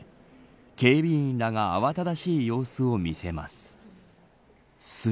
警備員らが慌ただしい様子を見せます。